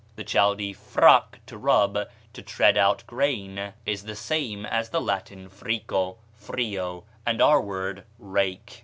The Chaldee frak, to rub, to tread out grain, is the same as the Latin frico, frio, and our word rake.